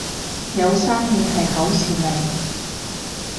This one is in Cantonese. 有生意係好事嚟